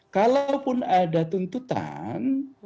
kalaupun ada tuntutan